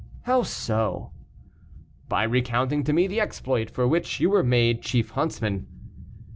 "How so?" "By recounting to me the exploit for which you were made chief huntsman."